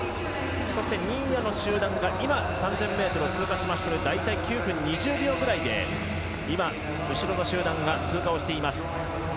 新谷の集団が３０００ｍを通過して大体９分２０秒ぐらいで後ろの集団が通過しています。